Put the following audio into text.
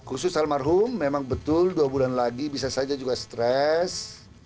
khusus almarhum memang betul dua bulan lagi bisa saja juga stres